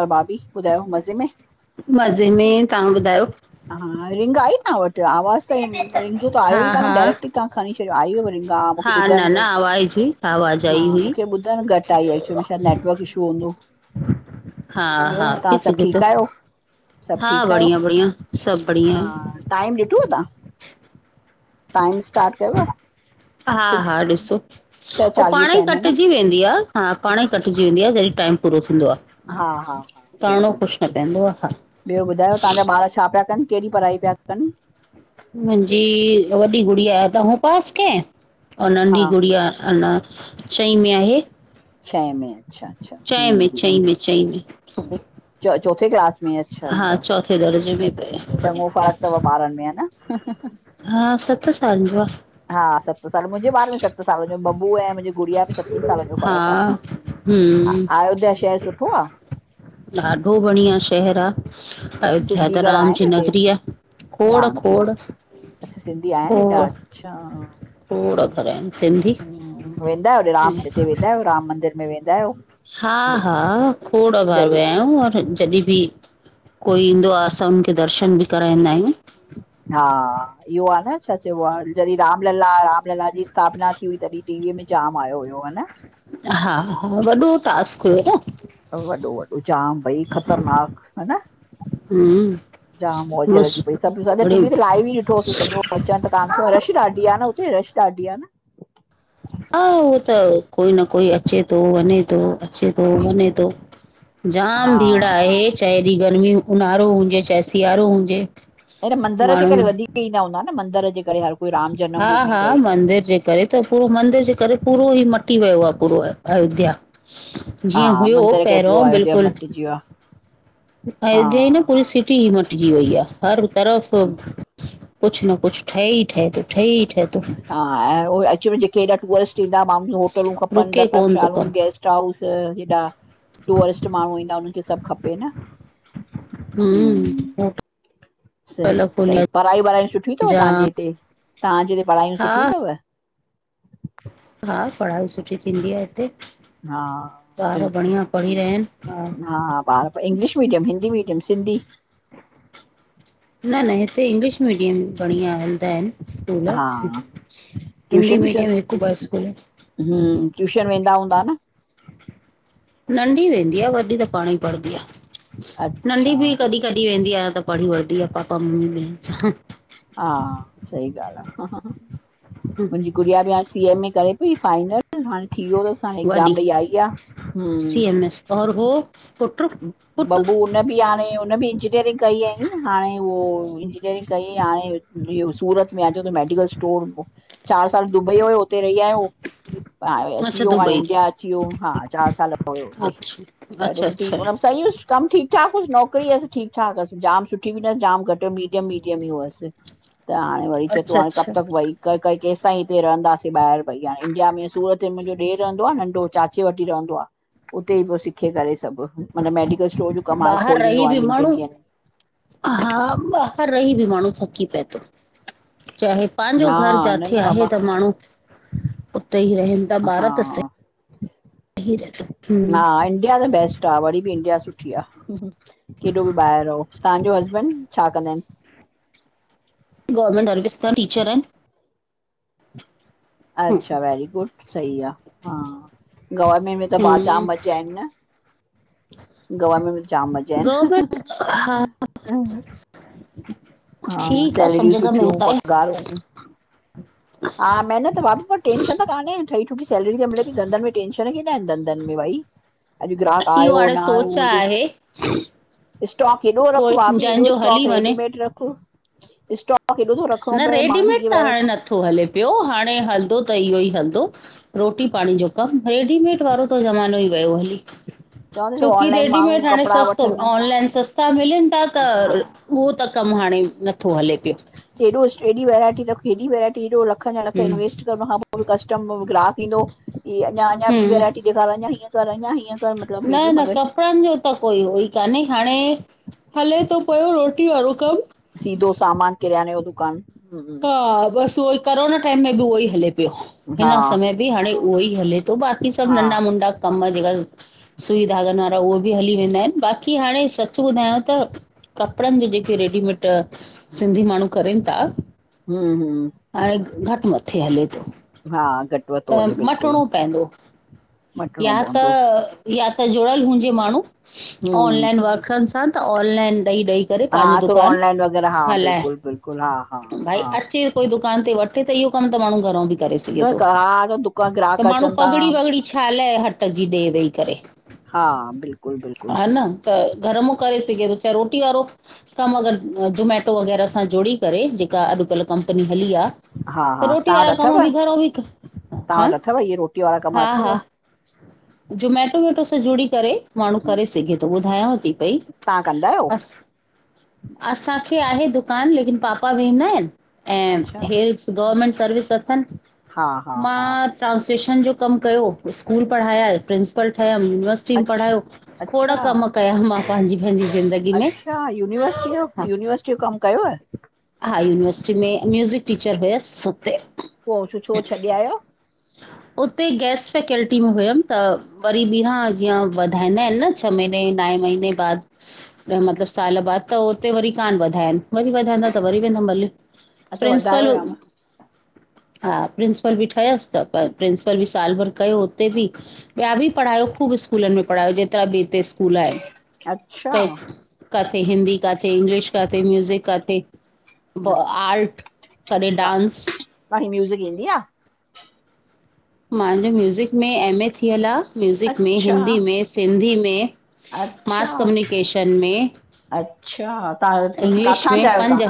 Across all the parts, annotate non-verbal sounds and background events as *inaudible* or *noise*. अ भाभी, ॿुधायो मज़े में? मज़े में। तव्हां ॿुधायो? हां, रिंग आई तव्हां वटि? आवाज़ त रिंग त आयो ई हा कान? हा डायरेक्ट ई तव्हां खणी छॾियो। आई हुयोविंग हां, मूंखे हा न न ॿुधणु, आवाज़ हुई आवाज़ हां, आई हुई मूंखे ॿुधणु घटि आई। एक्चुली में छा, नेटवर्क इशू हूंदो। हा ॿियो, हा तव्हां सभ ठीक आहियो? सभ ठीक, बढड़िया-बढड़िया सभ बढड़ि आहे। टाइम ॾिठो आहे तव्हां? टाइम स्टार्ट कयव? सिक्स हां-हां, ॾिसो। छह उ चालीह पाण थिया ई आहिनि न कटजी वेंदी आहे। हां, पाण ई कटजी। कटजी वादी आहे। जड़ी टम पो थी आहे। हा हा हा करणो ख़ु न बिल्कुलु कुछ न बिल्कुलु पवंदो आहे। हां, ॿियो ॿुधायो, तव्हांजा ॿार छा पिया कनि? कहिड़ी पढ़ाई पिया कनि? मुंहिंजी वॾी गुड़िया डह पास केयो, हा नंढी गुड़िया अण चई में आहे। छह में अच्छा-अच्छा, चएं में हम्म चईं में चईं में चोथे क्लास हा अच्छा-अच्छा, चौथे दर्जे में पए चङो फर्कु अथव बारनि में? ह न? *unintelligible* हां, सत साल जो आहे। हां, सत साल, मुंहिंजे बारे में सत साल, मुंहिंज बबू ऐं मुंहिंजी गुड़िया सतनि सालनि जो हा फ़र्क़ आहे। हम्म अयोध्या शहर सुठो आहे? ॾाढो बढ़िया शहर आहे। अच्छा अयोध्या सिंधी त घर राम आहिनि जी हिते नगरी आहे। रामजी में खोड़-खोड़, अच्छा सिंधी आहिन ऐॾा, अच्छा। खोड़ घर आहिनि सिंधी वेंदा आहियो राम हिते, वेंदा आहियो राम मंदिर में वेंदा आहियो। हां-हां, खोड़ा बार जॾहिं वया आहियूं, और जॾहिं बि कोई ईंदो आहे। असां उनखे दर्शन भी कराईंदा आहियूं। हा, इहो आ न छा चइबो आ, जॾहिं रामलला रामलला जी स्थापना थी हुई तॾिं। टीवीअ में जाम आयो हुयो हा न। हा -हा, वॾो टास्क हुयो न। वॾो -वॾो जाम भई ख़तरनाक, हा न। हम्म जाम मौज लॻी पई मस्त सब सॼो टीवी ते बढ़िया लाइव ई ॾिठोसे सॼो। अच्छा त कान थियो आ, रश ॾाढी आ न हुते रश ॾाढी आ न। हा उहो त कोई न कोई अचे तो वञे तो अचे तो वञे तो। जाम भीड़ हा आहे, चाहे हेॾि गर्मी, ऊन्हारो हुजे, चाहे सियारो हुजे। हिन मंदिर जे माण्हू करे वधीक ईंदा हूंदा न मंदिर जे करे हर कोई राम जनम हा भूमि -हा भई मंदिर जे करे त पूरो मंदिर जे करे पूरो ई मटी वयो आ पूरो अयोध्या। हा जीअं हुयो मंदर जे करे पहिरियों पूरो अयोध्या बिल्कुल मटिजी वियो आ अयोध्या ई न पूरी सिटी ई मटिंजी वई आ हर तरफ़, कुछ न कुछ ठहे ई ठहेतो, ठहे ई ठहेतो। हा ऐं उ अच वञ जेके हेॾा टूरिस्ट ईंदा माणुनि जी होटलूं खपन रुके कोन थो धर्मशालूं कम गेस्ट टा्उजर हेॾा, टूरिस्ट माणु ईंदा उन्हनि खे सभ खपे न। हम्म सही होटल -सही, खुलिया पढ़ाई वढ़ायूं सुठियूं तव तव्हांजे जाम हिते तव्हांजे हिते पढ़ायूं हा सुठियूं तव? हा पढ़ाई सुठी थींदी आ हिते। हा ॿार बिल्कुलु बढ़िया पढ़ी रहिया आहिनि, हा। हा ॿार English medium, Hindi medium, Sindhi, न -न हिते इंग्लिश मिडियम बढ़िया हलंदाइन। स्कूल हा हिंदी मीडियम हिक ॿ स्कूल इन। हूं- टूयूशन वेंदा हूंदा न? नंढी वेंदी आ, वॾी त पाण ई पढदी आ, अच्छा नंढी भी कॾिं कॾी वेंदी आ त पढ़ी वठदी आ पापा मम्मी में, हा, सही ॻाल्ह आ, हा। मुहिंजी गुड़िया बि हाणे सी ए में करे पई फाइनल, हाणे थी वियो तस। हाणे वॾी एग्ज़ाम ॾई आई आ, हुं और वो? पुट्र, बबू उन बि आणे, हुन बि इंजीनियरिंग कई आई नी हाणे, उहो इंजीनियरिंग कई हाणे इहो सूरत में अॼु त मेडिकल स् टोर हो, चार साल दुबई होयो हुते रही आयो, हाणे अची अच्छा वयो, हाणे दुबई इंडिया अची वियो, हा चार साल पढियो हुते अच्छा पर अच्छा अच्छा ठीकु हुन सही हुयस कम ठीक ठाक हुयुस, नौकिरी अस ठीक ठाक हस जाम सुठी भी न जाम घटि मीडियम मीडियम हुअस। त हाणे वरी चए तो अच्छा हाणे कब अच्छा तक वई, करे -करे केसिताईं हिते रहंदासीं, ॿाहिर भईया हाणे इंडिया में सूरत में मुहिंजो ॾेर रहंदो आ नंढो चाचे वट ही रहंदो आ। उते ई पो सीखे करे सभ, माना मेडिकल स्टोर जो कम हाणे ॿाहिरि खोलींदो रही बि हाणे ॿिन टि्न माण्हू ॾींहंनि में। हा ॿाहिर रही भी माणु थकी पए तो, चाहे ॾींहंनि में पाहिंजो घर हा न जाथे न आहे बाबा त माणु उते ई रहन हा, रहे थो हा इंडिया द बेस्ट। टा वरी भी इंडिया सुठी आ, केॾो भी ॿाहिर रहो, तव्हांजो हसबैंड छा कंदा आहिन? गवर्नमेंट सर्विस तन टीचर आहिन। अच्छा वैेरी गुड सही आ, हा गवर्मेंट में त पाण जाम मजा आहिन न गवनर्मेन्ट में जाम मज़ा आहिन। ठीक आ, सभु जगह मिलता है। ग *unintelligible* हा महिनत भाभी टेंशन त कान्हे, ठही ठुकी सैलरी त मिले थी, धंधनि में टेंशन केॾा आहिन धंदनि में भाई अॼु ग्राहक इहो आयो हाणे न आयो सोच उहोई आहे ॾिसु स्टाॅक एॾो रख, कोई भाभी एॾो जंहिंजो स्टाॅक हली वञे रेडीमेड रख स्टाॅक। न रेडीमेड त हाणे नथो हले पियो हाणे हलदो त इहो ई हलदो रोटी पाणी जो कमु, रेडीमेड वारो त ज़मानो ई वियो हली चवंदसि छोकी ऑनलाइन माण्हू रेडीमेड हाणे कपिड़ा सस्तो वठनि ऑनलाइन सस् ता मिलनि ता, त हा उहो त कमु हाणे नथो हले पियो। हेॾो स्टृएस, हेॾी वैरायटी रख हेॾी वैरायटी हेॾो लखन जा लख हम्म इन्वेस्ट कर हुन खां पो कस्टम ग्राहक ईंदो की अञा अञा ॿी वैरायटी ॾेखार, अञा हीअं कर अञा हीअं कर मतिलबु हेॾी न-न मगज कपड़नि जो त कोई हो ई कान्हे हाणे हले तो पयो रोटी वारो कमु। सीधो सामान, किरयाने जो दुकान। हम्म हा हम्म बसि उहो ई कोरोना टाइम में बि उहो ई हले पियो। हा हिन समय बि हाणे उहोई हले तो बाक़ी सभु हा नंढा, मुंडा कम जेका सुई धागनि वारा उहे बि हली वेंदा आहिन। बाक़ी हाणे सच ॿुधायां त कपिड़नि जे जेके रेडीमेट सिंधी माण्हूं करेन ता हं हं हाणे घटि मथे हले थो। हा घट। त मटिणो पयंदो मटिणो या त पवंदो या त जुड़ियल हुंजे माण्हूं, हम्म ऑनलाइन वर्कनि सां त, ऑनलाइन ॾई ॾई करे हा पांजो थोरो दुकान ऑनलाइन वग़ैरह हा हलाए, बिल्कुलु बिल्कुलु हा हा भाई हा अची कोई दुकान ते वठे त इहो कमु त माण्हूं घरउं में बि करे सघे तो। सार दुक ग्र *unintelligible* त माण्हूं पगड़ी, वगड़ी छालाए हट जी ॾे वेही करे। हा, बिल्कुलु बिल्कुलु। हा न त घर मां करे सघे थो चाहे रोटी वारो कमु अगरि जोमैटो वग़ैरह सां जुड़ी करे, जेका अॼुकल्ह कंपनी हली आ, त रोटी वारा कम बि घराऊं बि तां हा वटि अथव, इहे रोटीअ वारा कम अथव? जुमेटो वैटो सां जुड़ी करे माण्हूं हम्म, करे सघे थो ॿुधायांव थी पई तव्हां कंदा आहियो बस। असांखे आहे दुकानु लेकिन पापा वेंदा आहिन ऐं अच्छा हेर गवर्मेंट सर्विस अथनि। हा हा हा मां ट्रांसलेशन जो कमु कयो, स्कूल पढ़ाया, प्रिंसिपल ठहियमि युनिवर्स टी अछ पढ़ायो। खोड़ अच्छा कम कया मां पांजी पंहिंजी ज़िंदगी में। अच्छा यूनिवर्सिटी जो हा यूनिवर्सिटी जो कमु कयोव? हा, यूनिवर्सिटी में म्यूज़िक टीचर हुयसि हुते। पो छ छो छॾे आयव? हुते गैस्ट फैकल्टी में हुयमि त वरी ॿीहां जीअं वधाईंदा आहिन न छह महीने, नाए महीने बाद त मतिलबु साल बाद त उते वरी कान वधायनि, वरी वधाईंदा त वरी वेंदमि भले। अच्छा प्रिंसिपल वधायो याम हां प्रिंसिप प्रपल बि ठयसि त पर प्रिंसिपल बि साल भर कयो हुते बि। ॿिया बि पढ़ायो ख़ूब स्कूलनि में पढ़ायो जेतिरा ॿ हिते स्कूल आहिनि। अच्छा काथे हिंदी, काथे इंग्लिश, काथे म्यूज़िक काथे पो आर्ट, कॾहिं डांस। मांखे म्यूज़िक ईंदी आ। मांजो म्यूज़िक में एम ए थियल आ। आहे म्यूज़िक में, अच्छा हिंदी में, सिंधी में, अच्छा मास कम्युनिकेशन में। अच्छा! तव्हां किथ, काथां जा आयो तव्हां?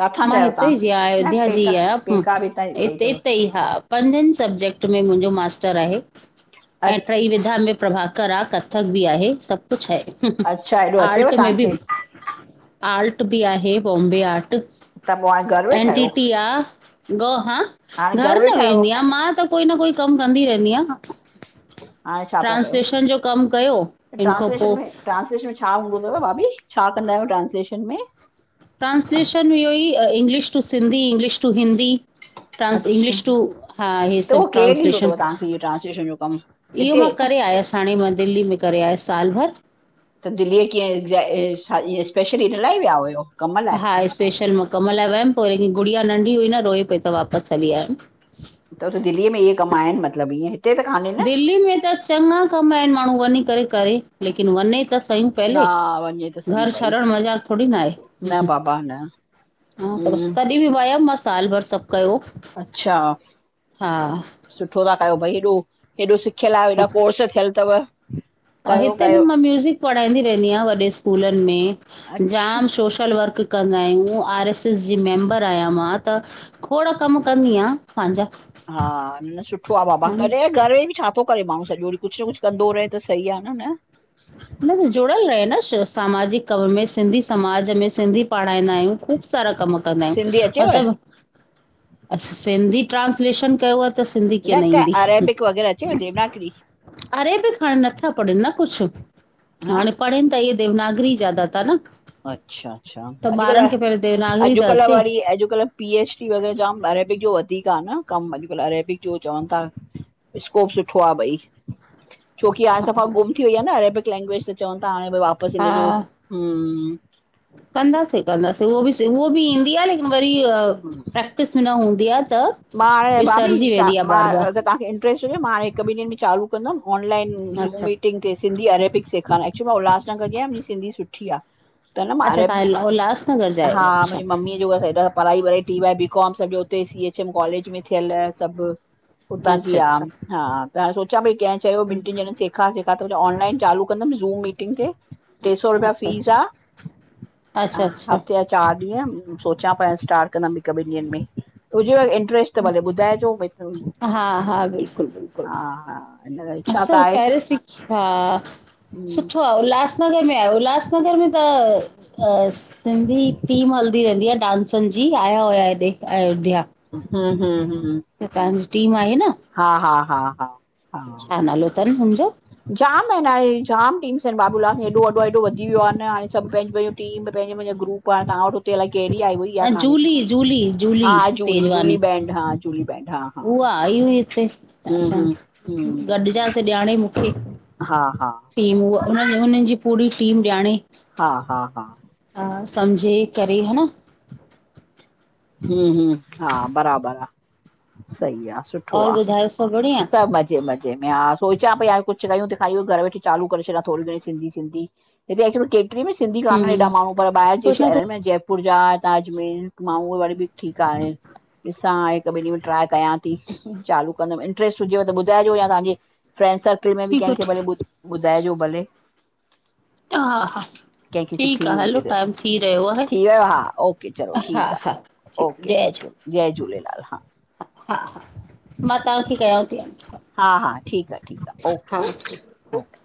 काथां मा जा आहियो तव्हां हिते जी न अयोध्या जी पेका आहियां पेका बि त हिते इत अथव ई हा पंजनि सब्जेक्ट में मुंहिंजो मास्टर आहे अ ऐं ट्रीई विधा में प्रभाकर आहे कथक बि आहे सब कुछ आहे अच्छा हेॾो अचेव आर्ट में बि तव्हांखे आर्ट बि आहे बॉम्बे आर्ट। त पोइ हाणे घरु वेठा एन आहियो टी टी आ ह, हाणे घर घरु न वेठा आहियो वेंदी आहियां मां त कोई न कोई कम कंदी रहंदी आहि हाणे छा पिया कयो ट्रांसलेशन जो कम कयो हिन खां पो ट्रांसलेशन में छा हूंदो तव भाभी छा कंदा आहियूं ट्रांस्लेशन में? ट्रांस्लेशन में इहो, ई English to Sindhi, English to Hindi. *inaudible* Trans English to हा इहे त सब उहो केरु ॾींदो ट्रांसलेशन अथव तव्हांखे इहो ट्रांस्लेशन जो कमु इहो हिते मां त करे आयसि। हाणे, मा दिलली में करे आयस साल भर। त दिल्लीअ कीअं ए स्पेसियली इन लाइ ही विया हुयुव? हा स्पेशल मां कम लाइ वयमि पो वरी गुड़िया नंढी हुई न रोई पई त वापसि हली आयमि। उत दिल्ली में ईहे कम आहिनि मतलब ईअएं? दिल्ली में त चंॻा कम आहिनि माण्हू वञी करे, करे लेकिन वञे त कयु पहले न वञे त सही घर भई छॾण मज़ाक थोडी न आहे। न बाबा न हम्म त बस हम्म तॾहिं बि वयमि मां साल भर सब कयो। अच्छा हा सुठो था कयो भाई हेॾो हेॾो सि खियल आहियो, ऐॾा कोर्स थियल तव। और कयो हिते बि कयो मां म्यूज़िक पढ़ाईंदी रहंदी आहियां वॾे स्कूलनि में अच्छा जाम सोशल वर्क कंदा आहियूं आर एस एस जी मैबर आहियां मां त खोड कम कनी आया, पांजा। हा न सुठो आ, बाबा कॾ घर छा थो करे माण्हू सॼो ॾिहं कुछ न कुछ कंदो रहे त सही आ न। न-न जुड़्यल रहे न सामाजिक कम में सिंधी समाज में सिंधी पढ़ाईंदा आहियूं ख़ूब सारा कम कंदा सिंधी आहियूं अचेव मतलब असां सिंधी ट्रांस्लेशन कयो आ त सिंधी कीअं न त ईंदी, अरेबिक वग़ैरह अचेव देवनागरी अरेबिक हाणे नथा पढ़न न कुछ। हा हाणे पढ़नि त इहा देवनागरी ज्यादा ता न। अच्छा अच्छा, त ॿारनि खे पहिरियों अॼुकल्ह देवनागरी त अॼुकल्ह अचे वरी अॼुकल्ह पी एच डी जाम अरेबिक जो वधीक आ न कम अॼुकल्ह अरेबिक जो चवनि ता। स्कोप सुठो आ भाई। छोकी हाणे सफ़ा गुम थी वई आ न अरेबिक लेंंग्वेज त चवनि था हाणे भाई वापसि हा इन जो *inaudible* कंदासीं, कंदासीं उहो बि उहो बि ईंदी आ लेकिन वरी प्रैक्ट क़िस्त न हूंदी आ त मां हाणे भाभी, विसरजी चा वेंदी आहे मां बार बार अगर तहांखे इंट्रेस्ट हुजे, मां हिक ॿिन ॾींहंन में चालू कंदम। ऑनलाइन, ज़ूम अच्छा मीटिंग ते, सिंधी अरेबिक सेखारण एक्चुली मां उल्हासगर जी आयां, मुंजी सिधी सुठी आ। त न, मां अच्छा अरेबिक, तव्हां उल्हासनगर जा आहियो हा अच्छा मुंजी मम्मीअ जी ॿयो हेॾां पढाई वड़ाई टी, बैक, बी काम, सॼो उते सी, एच, एम कॉलेज में थियल सभ। उतां जी अच्छा आम, अच्छा हा त सोचां पई कंहिं चयो ॿिन ट्रिन ॼणन से सिखां, सिखां त ऑनलाइन चालू कंदम ज़ूम मीटिंग ते। ट्रे सौ रुपया अच्छा फीस आ, अच्छा ह अच्छा अच्छा हफ़्ते हफ़् चार ॾींहं, सोचां पई, स्टार्ट कंदम हिक ॿिन ॾींहन में, हुजेव इंट्रस्ट त भले ॿुधाइजो, भई त, हा हा बिल्कुलु हा बिल्कुलु हा, इछा त आहे। अछा, हम्म सुठो आ, उल्हास उल्हासनगर में आयो, उल्हासनगर में त सिंधी टीम हलदी रहिंदी आ डांस जी, आया हुया हेॾे, अयोध्या। हूं हूं हूं ॿयो, तहांजी टीम आई ही न। हा हा हा हा हा छा, नालो तन हुनजो? जाम एन, हाणे जाम टीम्स एन, बाबूलाल हेॾो वॾो हेॾो वधी व्यो आ न हाणे, सभ पंहिंजो पंहिंजो टीम में, पंहिंजो पहिंजो ग्रुप आ, तहां वठो हिते अलाय केड़ी आई हुई, इहा न कहांणी, जूली, जूली, हा, Julie Julie Julie Tejwani, band हा जूली बैंड हा। हा उहा, आई हुई हिते, हम्म असां हम्म हम्म गॾजासे ॼाणे मुखे। हा हा थीम ऊहा, उन उनजी पूरी टीम ॼाणे। हा हा हा हा, सम्झे करे, हा न। हूं हूं, हा बराबर आ, सही आ, सुठो और आ, ॿुधायो सभु बढ़िया? सभ मजे मज़े में, हा सोचां पई यार कुछ कयूं तहिंखा ईहो घर वेठे चालू करे छॾां थोरी घणी सिधी सिंधी हिते इक्चुली केक्ट्री में सिंधी कानहूं एॾा हम्म माण्हूं, पर ॿाहिर जे कुछ न कुछ शहरन में जयपुर जा, ताजमल मां हू तबियत ठीक आ हाणे, ॾिसां हिक ॿिन ॾींहन में ट्राय कयां ती, चालू कंदम हांणे। इंट्रस्ट हुजेव त ॿुधाइजो, या तहांजे फ्रेंंड सर्किल में बि ठीकु कंहिंखे आहे, भले ॿुधाइजो भले। हा हा कंहिंखे ठीक सिखणी आ हलो, हुजे त टाइम थी रहयो आहे, थी वियो हा ओके चलो हा ठीकु हा ठीकु ओके जय ओके, झूले जय झूलेलाल! हा हा हा, मां तहां खे कयांव ती हाणे। हा हा, ठीक आ, ठीक आ, ओके ओके।